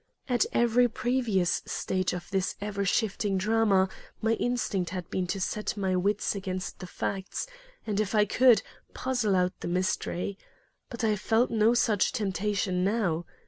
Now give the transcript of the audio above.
At every previous stage of this ever shifting drama, my instinct had been to set my wits against the facts, and, if I could, puzzle out the mystery. But I felt no such temptation now.